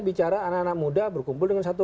bicara anak anak muda berkumpul dengan satu